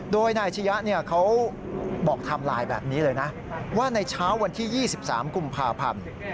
โดยนายชะยะเขาบอกไทม์ไลน์แบบนี้เลยนะว่าในเช้าวันที่๒๓กุมภาพันธ์